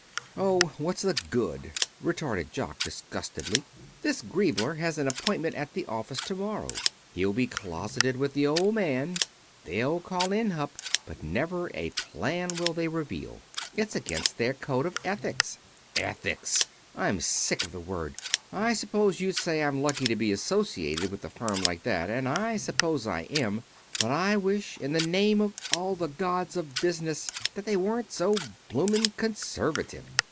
"Oh, what's the good!" retorted Jock disgustedly. "This Griebler has an appointment at the office to morrow. He'll be closeted with the Old Man. They'll call in Hupp. But never a plan will they reveal. It's against their code of ethics. Ethics! I'm sick of the word. I suppose you'd say I'm lucky to be associated with a firm like that, and I suppose I am. But I wish in the name of all the gods of Business that they weren't so bloomin' conservative.